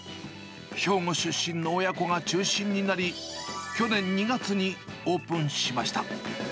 兵庫出身の親子が中心になり、去年２月にオープンしました。